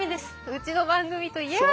うちの番組といえば。